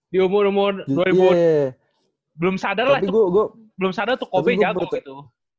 belum sadar lah belum sadar tuh kobe jatuh gitu